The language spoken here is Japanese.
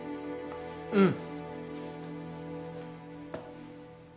うん。